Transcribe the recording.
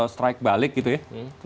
strike balik gitu ya